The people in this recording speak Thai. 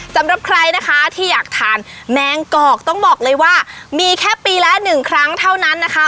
สำหรับใครนะคะที่อยากทานแมงกอกต้องบอกเลยว่ามีแค่ปีละหนึ่งครั้งเท่านั้นนะคะ